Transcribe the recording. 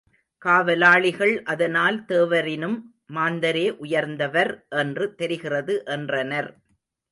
காவலாளிகள், அதனால் தேவரினும் மாந்தரே உயர்ந்தவர் என்று தெரிகிறது என்றனர்.